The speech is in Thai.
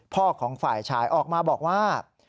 ของฝ่ายชายออกมาบอกว่า